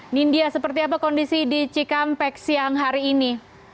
nindya seperti apa kondisi di cikampek siang hari ini